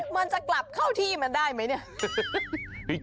มันจะกลับเข้าที่มันได้ไหมเนี่ย